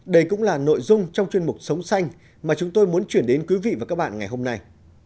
đây cũng là nội dung trong chuyên mục sống xanh mà chúng tôi muốn chuyển đến quý vị và các bạn ngày hôm nay